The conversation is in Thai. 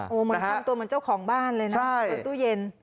เหมือนทำตัวเหมือนเจ้าของบ้านเลยนะบนตู้เย็น